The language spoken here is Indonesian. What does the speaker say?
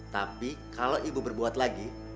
tapi kalau ibu berbuat lagi